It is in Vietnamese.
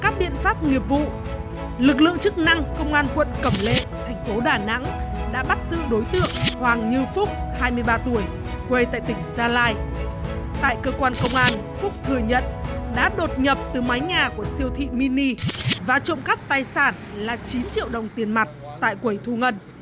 tại cơ quan công an phúc thừa nhận đã đột nhập từ mái nhà của siêu thị mini và trộm cắp tài sản là chín triệu đồng tiền mặt tại quầy thu ngân